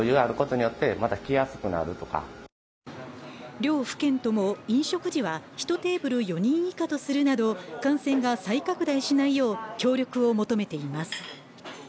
両府県とも飲食時は１テーブル４人以下とするなど感染が再拡大しないよう協力を求めています